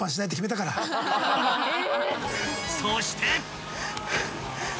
［そして］